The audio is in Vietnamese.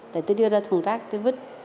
để tôi đưa ra thùng rác tôi vứt